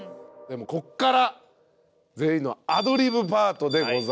こっから全員のアドリブパートでございます。